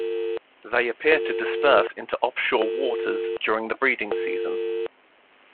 They appear to disperse into offshore waters during the breeding season.